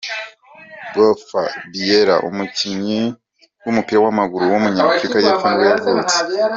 Bafo Biyela, umukinnyi w’umupira w’amaguru w’umunyafurika y’epfo nibwo yavutse.